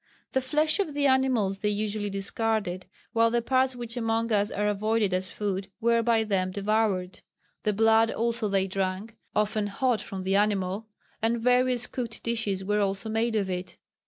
The flesh of the animals they usually discarded, while the parts which among us are avoided as food, were by them devoured. The blood also they drank often hot from the animal and various cooked dishes were also made of it.